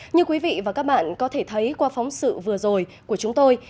như quý vị và các bạn có thể thấy qua phóng sự vừa rồi của chúng tôi